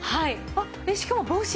えっしかも帽子？